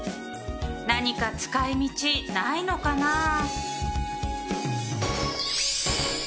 何か使い道ないのかな？